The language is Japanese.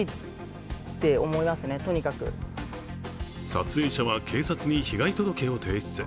撮影者は、警察に被害届を提出。